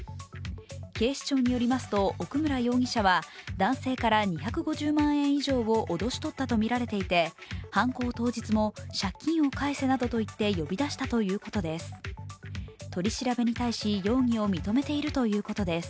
警視庁によりますと、奥村容疑者は男性から２５０万円以上を脅し取ったとみられていて犯行当日も借金を返せなどと言って呼び出したということです。